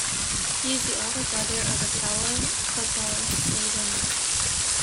He is the older brother of fellow footballer Sabin Ilie.